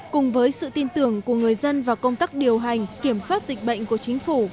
cùng với sự tin tưởng của người dân và công tác điều hành kiểm soát dịch bệnh của chính phủ